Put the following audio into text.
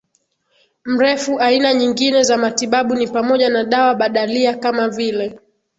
mrefuAina nyingine za matibabu ni pamoja na dawa badalia kama vile